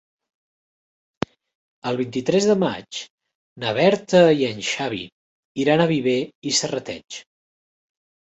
El vint-i-tres de maig na Berta i en Xavi iran a Viver i Serrateix.